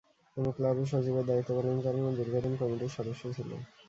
তিনি ক্লাবের সচিবের দায়িত্ব পালন করেন ও দীর্ঘদিন কমিটির সদস্য ছিলেন।